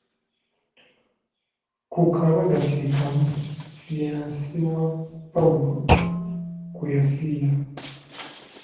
Ku kabaga keekamu, `fiance' wa Pawulo kwe yafiira.